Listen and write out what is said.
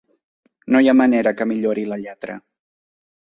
No hi ha manera que millori la lletra.